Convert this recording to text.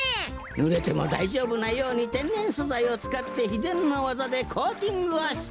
ぬれてもだいじょうぶなようにてんねんそざいをつかってひでんのわざでコーティングをして。